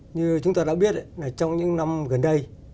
như chúng ta đã biết trong những năm gần đây